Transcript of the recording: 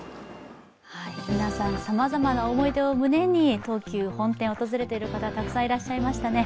皆さん、さまざまな思い出を胸に東急本店を訪れている方たくさんいらっしゃいましたね。